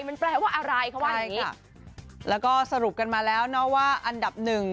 มันแปลว่าอะไรเขาว่าอย่างงี้แล้วก็สรุปกันมาแล้วเนาะว่าอันดับหนึ่ง